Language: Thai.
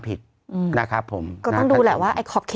พี่ขับรถไปเจอแบบ